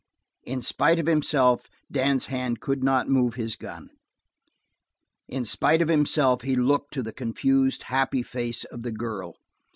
In spite of himself Dan's hand could not move his gun. In spite of himself he looked to the confused happy face of the girl.